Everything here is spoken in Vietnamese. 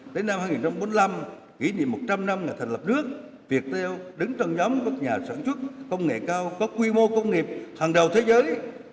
tới năm hai nghìn bốn mươi năm kỷ niệm một trăm linh năm ngày thành lập nước việt heo đứng trong nhóm các nhà sản xuất công nghệ cao có quy mô công nghiệp hàng đầu thế giới